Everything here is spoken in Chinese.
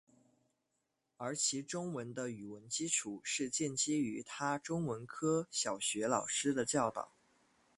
而其中文的语文基础是建基于他中文科小学老师的教导。